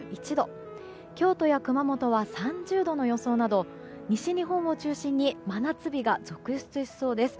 京都や熊本は３０度の予想など西日本を中心に真夏日が続出しそうです。